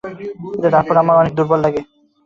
কিন্তু তারপরেও আমার অনেক দুর্বল লাগে।